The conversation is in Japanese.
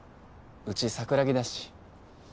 うち桜木だし。